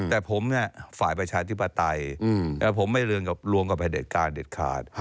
แต่ผมฝ่ายประชาธิปไตยแต่ว่าผมไม่รวมกับประเด็ดการเด็ดคาด